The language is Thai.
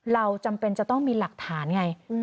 เราจำเป็นจะต้องมีหลักฐานไง